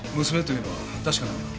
娘というのは確かなのか？